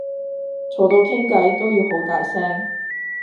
嘈到傾計都要好大聲